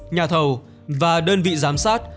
nhà thầu và đơn vị giám sát